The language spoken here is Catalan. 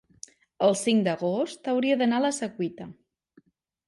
el cinc d'agost hauria d'anar a la Secuita.